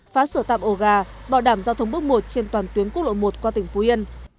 phá sửa tạm ổ gà bảo đảm giao thông bước một trên toàn tuyến quốc lộ một qua tỉnh phú yên